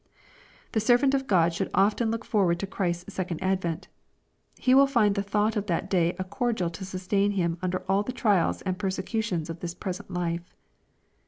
The servant of God should often look forward to Christ's second advent. He will find the thought of that day a cordial to sustain him under all the trials and per secutions of this present life.